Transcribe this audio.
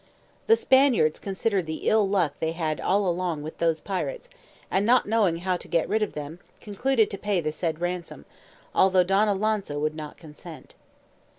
The Spaniards considering the ill luck they had all along with those pirates, and not knowing how to get rid of them, concluded to pay the said ransom, though Don Alonso would not consent.